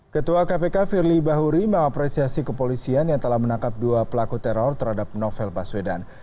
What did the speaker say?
ketua kpk firly bahuri mengapresiasi kepolisian yang telah menangkap dua pelaku teror terhadap novel baswedan